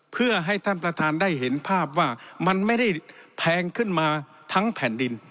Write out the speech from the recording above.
เพื่อให้ท่านประธานได้เห็นภาพว่ามันไม่ได้แพงขึ้นมาทั้งแผ่นดิน